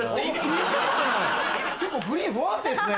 結構グリーン不安定っすね。